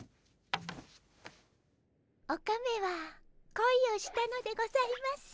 オカメはこいをしたのでございます。